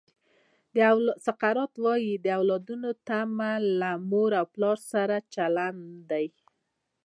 سقراط وایي د اولادونو تمه له مور او پلار سره چلند دی.